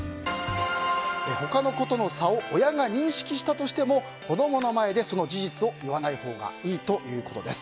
他の子との差を親が認識したとしても子供の前でその事実を言わないほうがいいということです。